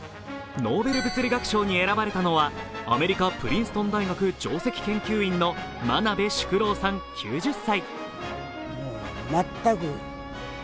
ノーベル物理学賞に選ばれたのはプリンストン大学上席研究員の真鍋淑郎さん９０歳。